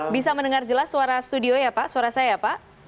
bisa mendengar jelas suara studio ya pak suara saya pak